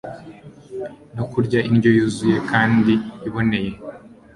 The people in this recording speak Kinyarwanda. no kurya indyo yuzuye kandi iboneye,